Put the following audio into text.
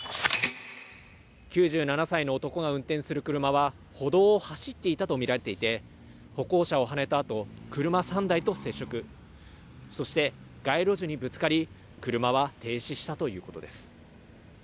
９７歳の男が運転する車は歩道を走っていたとみられていて歩行者をはねたあと、車３台と接触、そして街路樹にぶつかり、車は停止したということです。